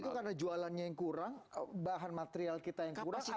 itu karena jualannya yang kurang bahan material kita yang kurang